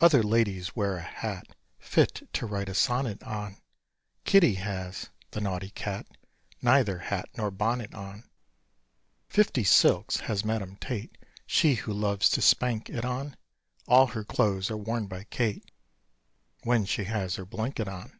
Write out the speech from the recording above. Other ladies wear a hat Fit to write a sonnet on: Kitty has the naughty cat Neither hat nor bonnet on! Fifty silks has Madame Tate She who loves to spank it on: All her clothes are worn by Kate When she has her blanket on.